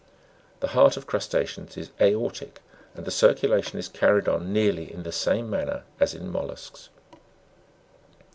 The heart of crusta'ceans is aortic, and the circulation is carried on nearly in the same manner as in mollusks.